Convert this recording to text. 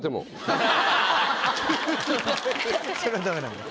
それはダメなんだ。